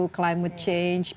untuk perubahan kondisi